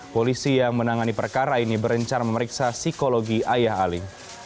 polisi yang menangani perkara ini berencana memeriksa psikologi ayah ali